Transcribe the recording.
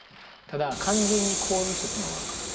ただ完全にこういう人っていうのはおらんかな。